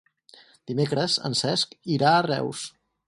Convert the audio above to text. Dimecres en Cesc irà a Reus.